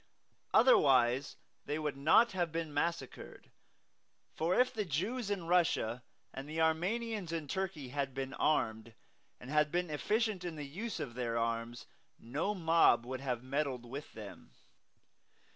Otherwise they would not have been massacred; for if the Jews in Russia and the Armenians in Turkey had been armed, and had been efficient in the use of their arms, no mob would have meddled with them.